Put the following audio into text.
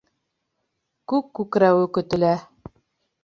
Күк күкрәүе көтөлә